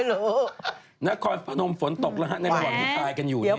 นนักคอร์โนมฝนตกนะฮะในประวัติมีทายกันอยู่อย่างนี้